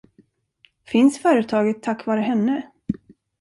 Finns företaget tack vare henne?